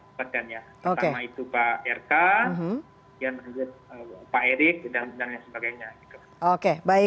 pertama itu pak erka pak erick dan sebagainya